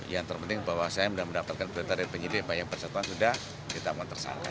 yang terpenting bahwa saya sudah mendapatkan berita dari penyidik yang banyak persatuan sudah ditanggung tersangka